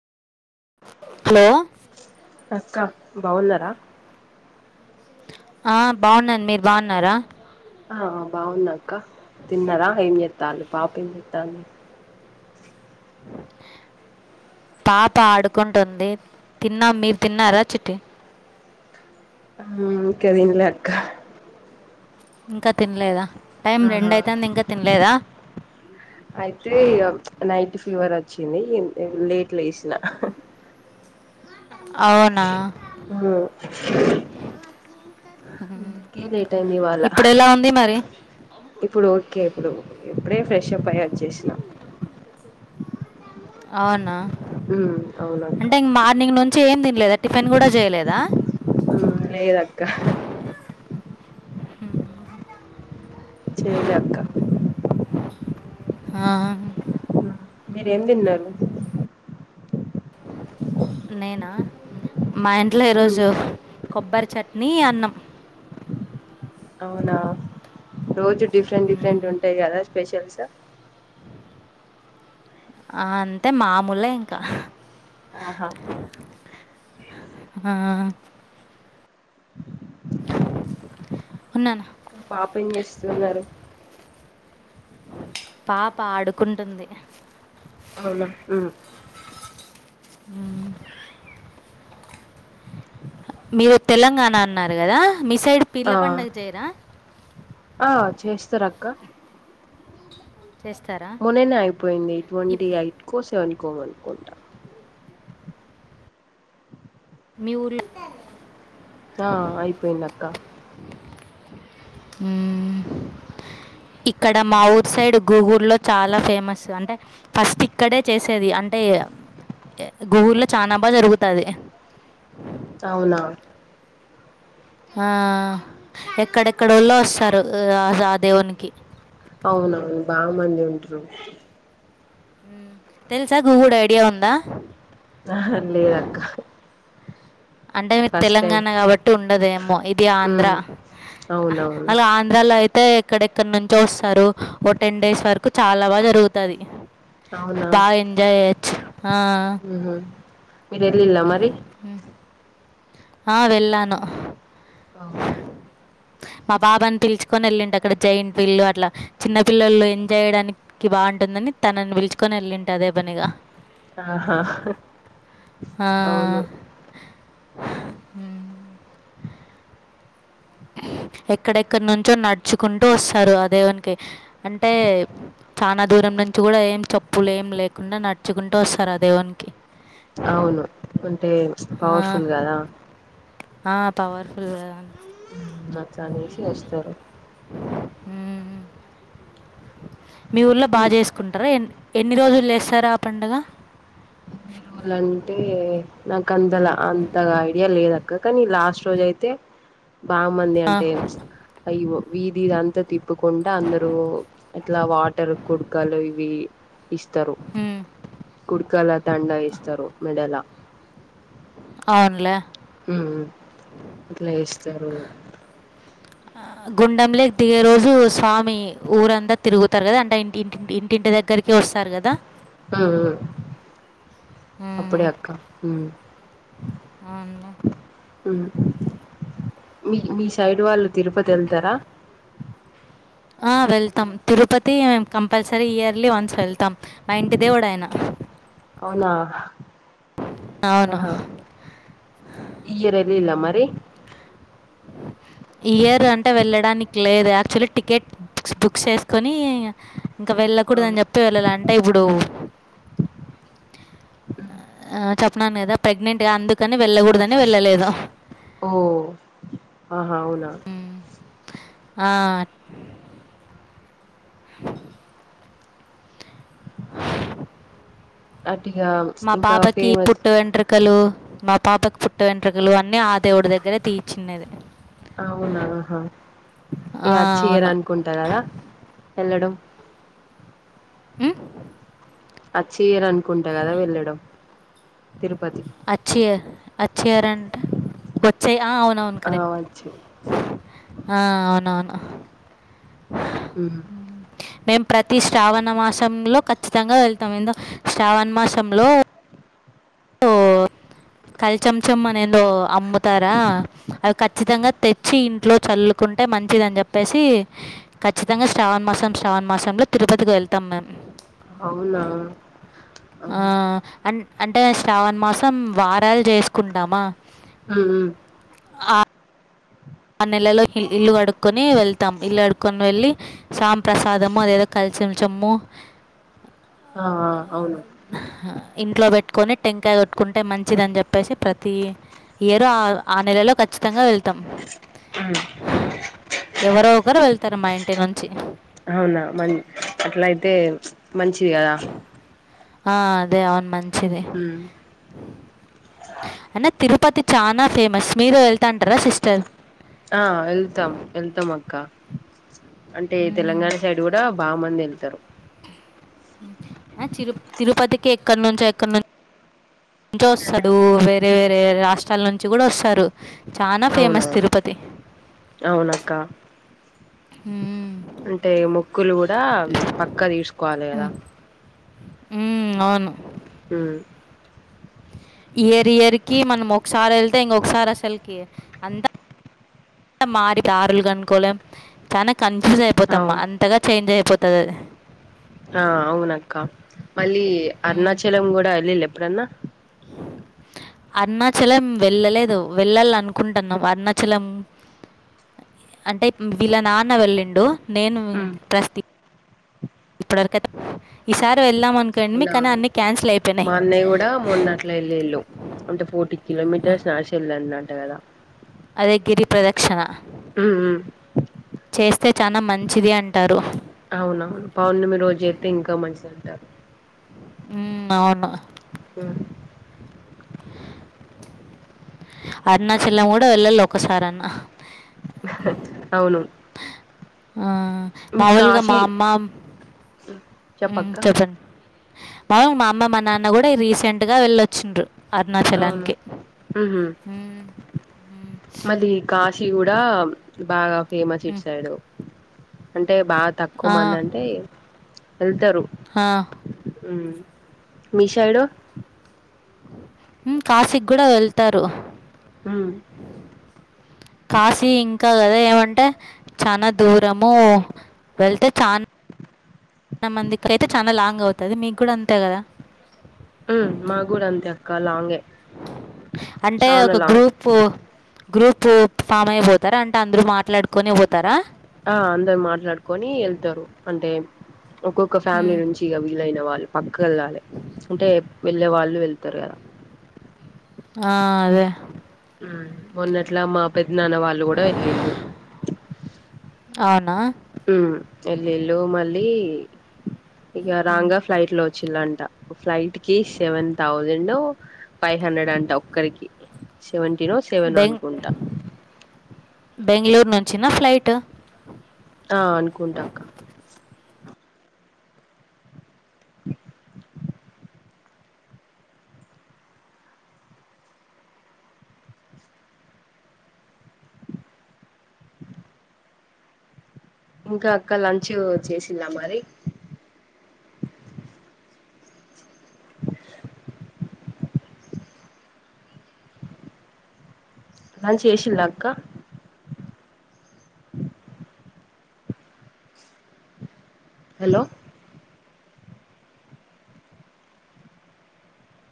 Hello అక్క బావున్నరా ఆ బా ఉన్నాన్ మీరు బా ఉన్నారా ఆ బా ఉన్న అక్క తిన్నరా ఏం జేత్తాలు పాప ఏం జేత్తాంది పాప ఆడుకుంటుంది తిన్నాం మీరు తిన్నారా చిట్టి హ్మ్ ఇంక దిన్లే అక్క ఇంక తిన్లేదా టైం రెండు ఆహా అయితాంది ఇంక తిన్లేదా అయితే ఇగ నైట్ ఫీవర్ ఒచ్చింది లేట్ లేశ్న అవునా హూ అందుకే లేట్ అయింది ఇవాళ ఇప్పుడు ఎలా ఉంది మరి ఇప్పుడు ఓకే ఇప్పుడు ఇప్పుడే ఫ్రెష్ అప్ అయ్ ఒచ్చేశ్న అవునా మ్మ్ అవునక్క అంటే ఇన్ మార్నింగ్ నుంచి ఏం దిన్లేదా టిఫిన్ గూడ జేయలేదా లేదక్క హూ హు చేయలే అక్క ఆ మీరేం దిన్నరు నేన మా ఇంట్లో మ్మ్ ఈరోజు కొబ్బరి చట్నీ అన్నం అవునా రోజు డిఫరెంట్ డిఫరెంట్ ఉంటాయి కదా స్పెషల్స్ ఆ అంటే మాముూలే ఇంకా ఆహా ఆ [unintelligible] ఇంక పాపం ఎం చేస్తున్నారు పాప ఆడుకుంటుంది అవునా హు మీరు తెలంగాణ అన్నారు కదా మీ సైడ్ ఆ పీర్ల పండగ చేయర ఆ చేస్తరక్క చేస్తార మొన్ననే అయిపోయింది ట్వంటీ ఎయిట్కో సెవెన్కో అనుకుంట మీ ఊరుల్లో హ అయిపోయింది అక్క హు ఇక్కడ మా ఊర్ సైడ్ గూగుర్ల్లో చాల ఫేమస్ అంటే ఫస్ట్ ఇక్కడే చేసేది అంటే గూగుర్ల్లో చనా బాగ జరుగుతది [inaudible] అవున ఆ ఎక్కడెక్కడోలో వస్తారు ఆ దేవుడికి అవునవును [unintelligible] మంది ఉంటారు తెలుసా గూగుడు ఐడియా ఉందా అహ లేదక్క అంటే మీరు ఫస్ట్ టైం తెలంగాణ కాబట్టి ఉండదేమో ఇది ఆంధ్ర ఉమ్ అవునవును అలా ఆంధ్రాలో ఐ అయితే ఎక్కడెక్కడ నుంచో వస్తారు ఓ టెన్ డేస్ వరకు చాలా బాగా జరుగుతది అవునా బాగ ఎంజాయ్ చెయ్యొచ్చు ఆ మేరెల్లిల మరి ఆ వెళ్ళను [inaudible] మా బావని పిలుచుకొని వెళ్ళింటి అక్కడ జైంట్ [unintelligible] అట్ల చిన్న పిల్లలు ఎంజాయ్ చేయడానికి బాగుంటుందని తనని పిలుచుకొని వెళ్ళింటి అదే పనిగ ఆహా అవును ఆ ఎక్కడెక్కడి నుంచో నడుచుకుంటూ వస్తారు అదేవునికి అంటే చాల దూరం నుంచి కూడా ఏం చెప్పులు ఏం లేకుండా నడుచుకుంటూ వస్తారు ఆ దేవునికి అవును అంటే పవర్ఫుల్ కదా ఆ పవర్ఫుల్ అట్ల అనేసి వస్తారు మీ ఊర్లో బా చేస్ ఎ ఎన్ని రోజులు చేస్తారు ఆ పండుగ వల్ల అంటే నాకు అంత అంత ఐడియా లేదు కానీ లాస్ట్ రోజ అయితే బాగా మంది అంటే అదిగో వీదిదంతా తిప్పుకుంటూ అందరూ అట్లా వాటర్ కుడ్కాలు ఇవి ఇస్తరు హ కుడ్కాల దండ వేస్తారు మెడలా అవునులే ఉమ్ అట్లా చేస్తారో గుండెం లోకి దిగే రోజు స్వామి ఊరంతా తిరుగుతారు కదా అంటే ఇంటి ఇంటింటి దగ్గరికి వస్తారు కదా ఉమ్ అప్పుడే అక్క ఊ అవును మీ మీ సైడ్ వాళ్ళు తిరుపతి వెళ్తారా ఆ వెళ్తాం తిరుపతి మే కంపల్సరీ ఇయర్లీ వన్స్ వెళ్తాం మా ఇంటిదేవుడు ఆయన అవునా అవును. ఆహా ఈ ఇయర్ ఎల్లిల్లా మరి ఈ ఇయర్ అంటే వెళ్ళడానికి లేదు యాక్చువల్లీ టికెట్ బుక్ చేసుకొని ఇంకా ఆ. వెళ్ళకూడదు అని చెప్తె వెళ్ళలా అంటే ఇప్పుడు ఆ చెప్పాను కదా ప్రెగ్నెంట్ అందుకని వెళ్ళకూడదని వెళ్ళలేదు ఓ ఆహా అవునా ఆ! [unintelligible] హ అంటే ఇక మా పాపకి ఈ పుట్టువేంట్రు మా పాపకి పుట్ట వెంట్రకలు అన్ని ఆ దేవుడి దగ్గరే తీప్పించినది అవునా ఆహా ఇక ఆ! అచేఇయర్ అవును. అనుకుంటా కదా వెళ్ళడం ఉ అచే ఇయరనుకుంటా కదా వెళ్ళడం తిరుపతి అచ్యియర్ అచేఇయర్ రంటే వచ్చే ఆ అవున అవును ఆ కరెక్ట్ వచ్చు ఆ అవునవును ఉ హు మేము ప్రతి శ్రావణ మాసంలో కఖచ్చితంగా వెళ్తాము ఎందో శ్రావణ మాసంలో కలిశ్వం చెబ్బు అని ఏందో అమ్ముతారా అవి ఖచ్చితంగా తెచ్చి ఇంట్లో చల్లుకుంటే మంచిది అని చెప్పేసి ఖచ్చితంగా శ్రావణ మాసం శ్రావణ మాసంలో తిరుపతికి వెళ్తాం మేము అవునా ఆ మ్మ్ అ అంటే శ్రావణ్ మాసం వారాలు చేసుకుంటామా ఉహు ఉ ఆ నెలలో ఇల్లు కడుకొని వెళ్తాం ఇల్లు కడుకొని వెళ్ళి సాం ప్రసాదము అదేదో కలిశ్వం చెబ్బు ఆ అవును ఇంట్లో పెట్టుకొని టెంకాయ కొట్టుకుంటే మంచిదని చెప్పేసి ప్రతీ ఇయరూ ఆ ఆ నెలలో కఖచ్చితంగా వెళ్తాం మ్మ్ ఎవరో ఒకరు వెళ్తారు మా ఇంటి నుంచి అవునా మన్ అట్లా అయితే మంచిగా ఆ అదే అవున్ మంచిది మ్మ్ అన్న తిరుపతి చానా ఫేమస్ మీరు ఎళ్తా అంటారా సిస్టర్ ఆ ఎళ్తాం ఎళ్తాం అక్క అంటే తెలంగాణ సైడ్ గుడా బా మందెళ్తరు తిరు తిరుపతికి ఎక్కడ్నుంచో ఎక్కడ్ను ంచో వస్తాడు వేరే వేరే రాష్ట్రాల నుంచి గుడా వస్సరు చానా ఫేమస్ అవునవును తిరుపతి అవునక్క ఉం అంటే మొక్కులు గుడా పక్కా దీస్కోవాలి గదా ఉమ్ అవును ఉ ఇయర్ ఇయర్ కి మనం ఒక్సార్ ఎళ్తే ఇంగొక్సార్ అసల్కి అంతా మారి దారుల్ గన్కోలేం చాన కన్ఫ్యూజ్ అయిపోతమ్మా అవును అంతగా చేంజ్ అయిపోతద్ అది ఆ అవునక్క మళ్ళీ హ్మ్. అరుణాచలం గుడా ఎళ్ళిళ్ళ ఎప్పుడన్నా హమ్ అరుణాచలం వెళ్ళలేదు వెళ్ళాల్ అనుకుంటన్నాం అరుణాచలం అంటే వీళ్ళ నాన్న వెళ్ళిండు నేను ప్రస్తి ఇప్పడివరకతే ఈసారి వెళ్ళాం అనుకోనిమి అవునా కానీ అన్ని క్యాన్సిల్ అయ్ మా అన్నయ్య గుడా మొన్న అట్ల ఎళ్ళిళ్ళు అంటే ఫోర్టీ కిలోమీటర్స్ నడిశి ఎళ్ళాళ్ అంట గదా అదే గిరి ప్రదక్షణ ఉమ్ ఉ చేస్తే చానా మంచిది అంటారు అవున పౌర్ణమి రోజైతే ఇంకా మంచిదంటారు ఉమ్ అవును ఉ అరుణాచలం గుడా వెళ్ళాల్ ఒకసారన్న అవును ఆ మీకు మామూల్గా మా కాశీ అమ్మ ఉమ్ చెప్పక్క ఉ చెప్పండ్ అవున్ మా అమ్మ మా నాన్న గుడా రీసెంట్ గా వెళ్ళొచ్చిండ్రు. అవున అరుణాచలానికి ఉహూ మళ్ళీ కాశీ గుడా బాగా ఫేమస్ ఇట్ సైడు అంటే బా తక్కువ్ మందంటే ఎళ్తరు హా ఉమ్ మీ సైడు ఉమ్ కాసిక్ గుడా వెళ్తారు ఉమ్ కాసీ ఇంకా అదే ఏమంటే చానా దూరము వెళ్తే చాన్ న మందికైతే చాన లాంగ్ అవుతది మీక్ గుడా అంతే గదా మాగుడా అంతే అక్క లాంగే అంటే చానా ఒక లాంగ్ గ్రూప్ పు గ్రూపు ఫామ్ అయిపోతారా అంటే అంద్రు మాట్లాడుకొనే పొతరా ఆ అందరు మాట్లాడుకొని ఎళ్తరు అంటే ఒక్కొక్క ఫ్యామిలీ నుంచి ఇగ వీలైన వాళ్ళు పక్కేళ్ళాలి అంటే వెళ్ళే వాళ్ళు వెళ్తారు గదా ఆ అదే మొన్నట్లా మా పెద్ద నాన్న వాళ్ళు కూడా వెళ్లిళ్ళు అవునా ఉ ఎల్లిల్లు మళ్ళీ ఇగ రాంగ ఫ్లైట్ లో వచ్చిలాంట ఫ్లైట్ కి సెవెన్ థౌజండ్ ఫైవ్ హండ్రెడ్ అంట ఒక్కరికి సెవెంటీనో సెవెనో బెం అనుకుంటా బెంగళూరు నుంచి న ఫ్లైట్ ఆ అనుకుంట అక్క ఇంకా అక్క లంచ్ చేసిర మరి లంచ్ చేసిరాక్క హలో